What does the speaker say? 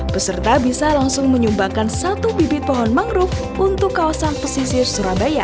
peserta bisa langsung menyumbangkan satu bibit pohon mangrove untuk kawasan pesisir surabaya